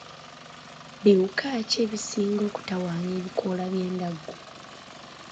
Biwuka ki ebisinga okutawaanya ebikoola by'endaggu?